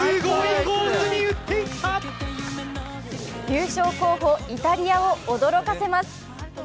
優勝候補、イタリアを驚かせます。